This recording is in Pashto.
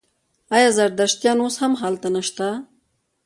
آیا زردشتیان اوس هم هلته نشته؟